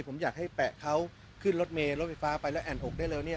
ผมอยากให้แปะเขาขึ้นรถเมลรถไฟฟ้าไปแล้วแอ่นอกได้เร็วเนี่ย